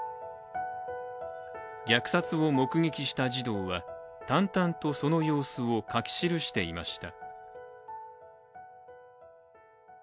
虐殺を目撃した児童は淡々とその様子を書き記していました。